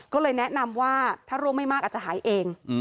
ก็เลยแนะนำว่าถ้าร่วงไม่มากอาจจะหายเอง